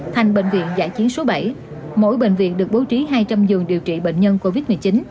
thành bệnh viện giã chiến số bảy mỗi bệnh viện được bố trí hai trăm linh giường điều trị bệnh nhân covid một mươi chín